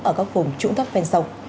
ở các vùng trụng thấp phên sông